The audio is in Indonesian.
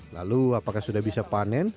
lalu apakah sudah bisa panen